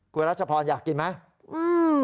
กลัวรัชพรอยากกินไหม